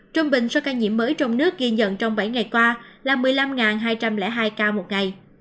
trung bình số ca nhiễm mới trong nước ghi nhận trong bảy ngày qua là một mươi năm hai trăm linh hai ca một ngày